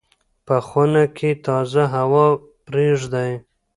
په خونه کې تازه هوا پرېږدئ.